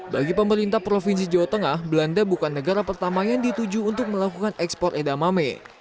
bagi pemerintah provinsi jawa tengah belanda bukan negara pertama yang dituju untuk melakukan ekspor edamame